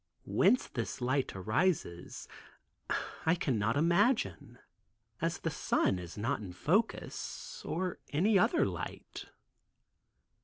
Whence this light arises, I cannot imagine, as the sun is not in focus, or other light.